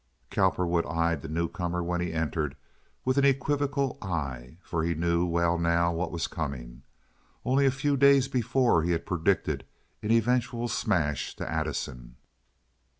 Cowperwood eyed the new comer, when he entered, with an equivocal eye, for he knew well now what was coming. Only a few days before he had predicted an eventual smash to Addison.